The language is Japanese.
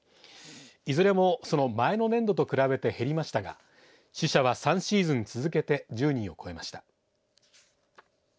いずれもその前の年度と比べて減りましたが死者は３シーズン続けて１０人を超えました。